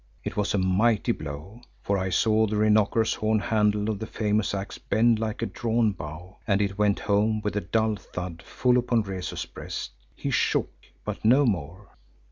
It was a mighty blow, for I saw the rhinoceros horn handle of the famous axe bend like a drawn bow, and it went home with a dull thud full upon Rezu's breast. He shook, but no more.